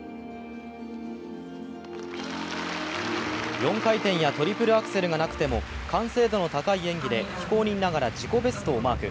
４回転やトリプルアクセルがなくても完成度の高い演技で非公認ながら自己ベストをマーク。